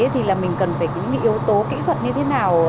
thì là mình cần phải những cái yếu tố kỹ thuật như thế nào